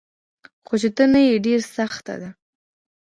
خو چي ته نه يي ډيره سخته ده